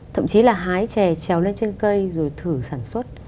thậm chí là hái chè trèo lên trên cây rồi thử sản xuất